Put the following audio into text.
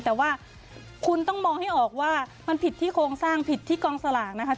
แต่ว่าคุณต้องมองให้ออกว่ามันผิดที่โครงสร้างผิดที่กองสลากนะคะ